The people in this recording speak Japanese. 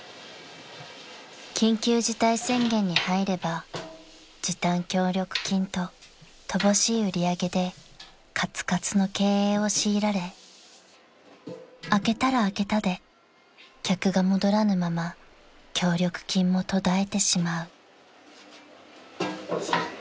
［緊急事態宣言に入れば時短協力金と乏しい売り上げでかつかつの経営を強いられ明けたら明けたで客が戻らぬまま協力金も途絶えてしまう］よいしょ。